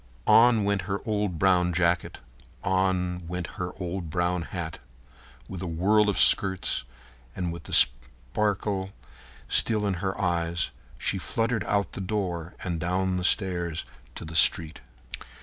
On went her old brown jacket; on went her old brown hat. With a whirl of skirts and with the brilliant sparkle still in her eyes, she fluttered out the door and down the stairs to the street.